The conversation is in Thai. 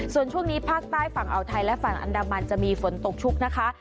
ส่วนช่วงนี้ภาคใต้ฝั่งอ่าวไทยและฝั่งอันดามันจะมีฝนตกชุกนะคะ